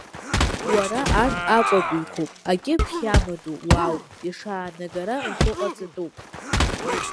Уара, арҭ аҟәатәиқәоуп, акьыԥхь иамадоу уаауп ишаанагара рхәы ҟаҵатәуп.